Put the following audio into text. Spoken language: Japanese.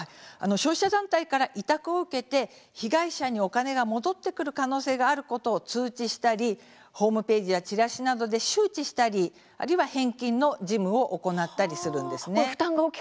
消費者団体から委託を受けて被害者にお金が戻ってくる可能性があることを通知したりホームページや、ちらしなどで周知したり、あるいは返金の事務を行ったりするんです。